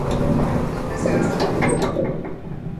جب میں سیاست میں تھا۔